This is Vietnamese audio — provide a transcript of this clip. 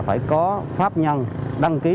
phải có pháp nhân đăng ký